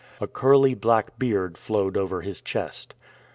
A curly black beard flowed over his chest.